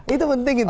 itu penting itu